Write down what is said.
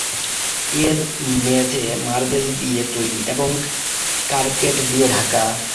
এর মেঝে মার্বেল দিয়ে তৈরি এবং কার্পেট দিয়ে ঢাকা।